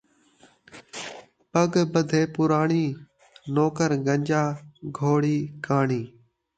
پڳ ٻدھے پراݨی، نوکر گنجا گھوڑی کاݨی